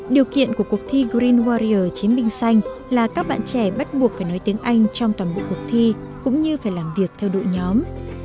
điều kiện của cuộc thi green warrior chiến binh xanh là các bạn trẻ bắt buộc phải nói tiếng anh trong toàn bộ cuộc thi cũng như phải làm việc theo đội nhóm